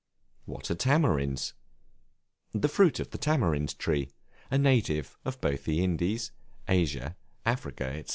What are Tamarinds? The fruit of the Tamarind Tree, a native of both the Indies, Asia, Africa, &c.